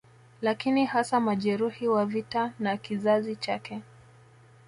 Lakini hasa majeruhi wa vita na kizazi chake